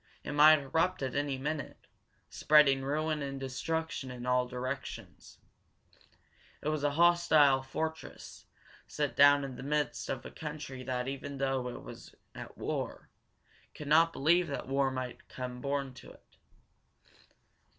It might erupt at any minute, spreading ruin and destruction in all directions. It was a hostile fortress, set down in the midst of a country that, even though it was at war, could not believe that war might come borne to it.